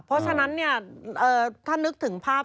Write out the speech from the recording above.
เพราะฉะนั้นเนี่ยถ้านึกถึงภาพ